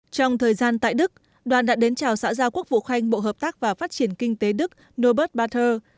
trong thời gian tại đức đoàn đã đến chào xã giao quốc vụ khanh bộ hợp tác và phát triển kinh tế đức nobert barter